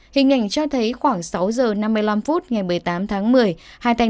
hình ảnh cho thấy khoảng sáu giờ năm mươi năm phút ngày một mươi tám tháng một mươi hai